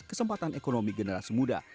kesempatan ekonomi generasi muda